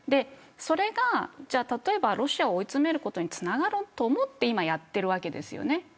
それが例えばロシアを追い詰めることにつながると思ってやっているわけですよね。